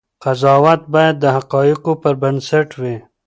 قضاوت باید د حقایقو پر بنسټ وي.